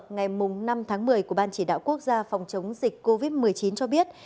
ngày năm tháng một mươi của ban chỉ đạo quốc gia phòng chống dịch covid một mươi chín cho biết